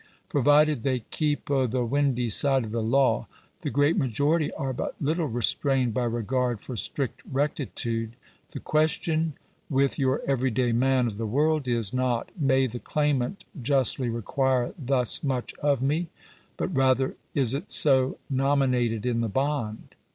Provided they " keep o' the windy side of the law," the great majority are but little restrained by regard for strict rectitude. The question with your every day man of the world is, not — May the claimant justly require thus much of me ? but rather —" Is it so nomi nated in the bond